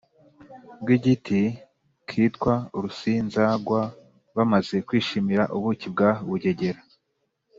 bw’igiti kitwa Urusinzagwa. Bamaze kwishimira ubuki bwa Bugegera,